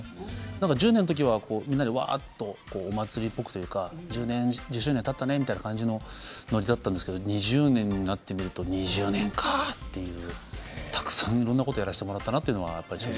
１０年の時は、みんなでわっとお祭りっぽくというか１０年たったねという感じのノリだったんですけど２０年になると２０年かというたくさんいろんなことをやらせてもらったなと。